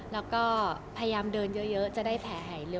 แล้วก็พยายามเดินเยอะจะได้แผลหายเลื